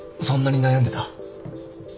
そんなに悩んでた？